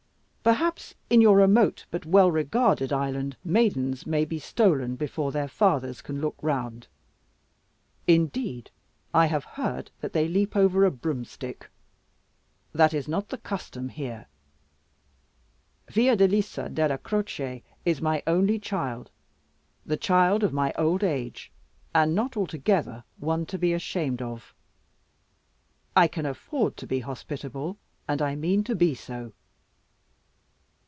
Perhaps in your remote, but well regarded island maidens may be stolen before their fathers can look round. Indeed, I have heard that they leap over a broomstick. That is not the custom here. Fiordalisa Della Croce is my only child the child of my old age; and not altogether one to be ashamed of. I can afford to be hospitable, and I mean to be so."